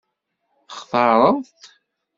Textaṛeḍ-t?